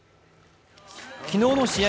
昨日の試合